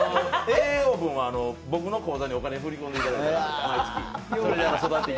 栄養分は僕の口座に振り込んでいただいて。